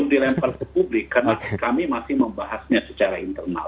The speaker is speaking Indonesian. dilempar ke publik karena kami masih membahasnya secara internal